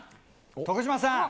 徳島さん。